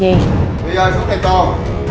vi ơi xuống thầy con